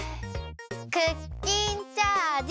クッキンチャージ！